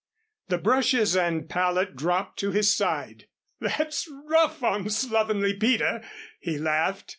The brushes and palette dropped to his side. "That's rough on Slovenly Peter," he laughed.